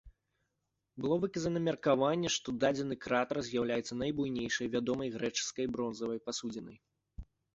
Было выказана меркаванне, што дадзены кратар з'яўляецца найбуйнейшай вядомай грэчаскай бронзавай пасудзінай.